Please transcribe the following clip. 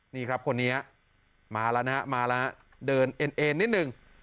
นี่ครับคนนี้มาแล้วนะฮะมาแล้วเดินเอ็นเอ็นนิดนึง